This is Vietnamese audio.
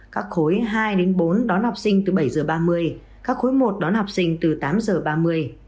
các khối hai đến bốn đón học sinh từ bảy h ba mươi các khối một đón học sinh từ tám h ba mươi